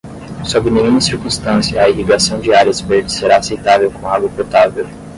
Sob nenhuma circunstância a irrigação de áreas verdes será aceitável com água potável.